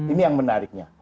ini yang menariknya